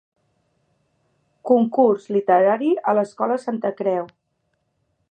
Concurs literari a l'escola Santa Creu.